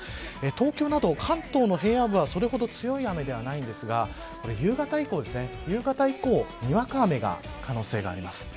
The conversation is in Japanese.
東京など、関東の平野部はそれほど強い雨ではないですが夕方以降にわか雨の可能性があります。